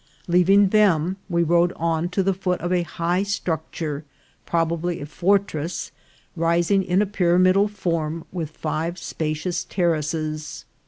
Leaving them, we rode on to the foot of a high structure, probably a fortress, ri sing in a pyramidal form, with five spacious terraces.